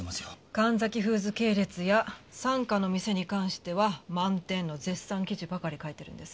神崎フーズ系列や傘下の店に関しては満点の絶賛記事ばかり書いてるんです。